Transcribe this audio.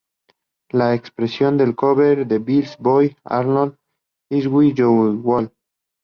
La excepción es el cover de Billy Boy Arnold, "I Wish You Would".